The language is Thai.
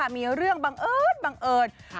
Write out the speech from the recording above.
มีเรื่องบังเอิญบังเอิญ